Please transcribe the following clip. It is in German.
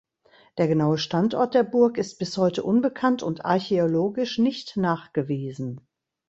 Der genaue Standort der Burg ist bis heute unbekannt und archäologisch nicht nachgewiesen.